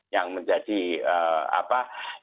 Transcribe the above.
yang menjadi apa